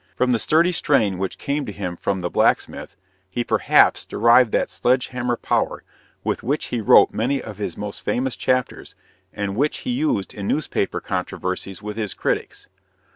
From the sturdy strain which came to him from the blacksmith he, perhaps, derived that sledge hammer power with which he wrote many of his most famous chapters, and which he used in newspaper controversies with his critics.